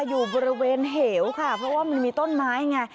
อยู่บริเวณเหวค่ะเพราะว่ามันมีต้นไม้ไง